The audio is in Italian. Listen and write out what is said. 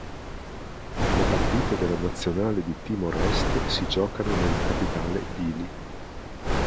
Le partite della nazionale di Timor Est si giocano nella capitale Dili.